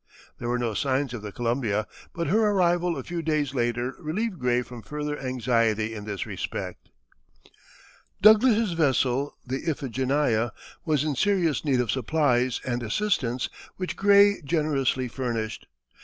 There were no signs of the Columbia, but her arrival a few days later relieved Gray from further anxiety in this respect. [Illustration: Indian Maul.] Douglass's vessel, the Iphigenia, was in serious need of supplies and assistance, which Gray generously furnished.